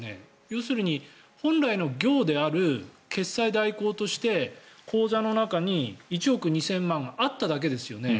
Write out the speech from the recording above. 要するに本来の業である決済代行として口座の中に１億２０００万円あっただけですよね。